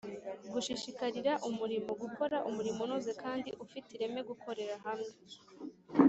gushishikarira umurimo, gukora umurimo unoze kandi ufite ireme, gukorera hamwe,